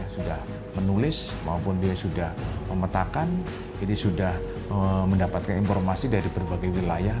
sudah menulis maupun dia sudah memetakan jadi sudah mendapatkan informasi dari berbagai wilayah